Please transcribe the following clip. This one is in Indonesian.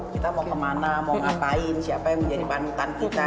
kita mau kemana mau ngapain siapa yang menjadi panutan kita